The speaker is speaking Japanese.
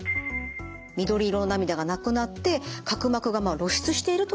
緑色の涙がなくなって角膜が露出しているといった状態なんです。